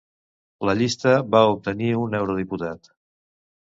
La llista va obtenir un eurodiputat.